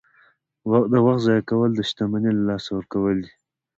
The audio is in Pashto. • د وخت ضایع کول د شتمنۍ له لاسه ورکول دي.